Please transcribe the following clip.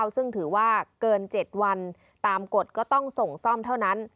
ซึ่งถือว่าเกิน๗วันตามกฎก็ต้องส่งซ่อมเท่านั้น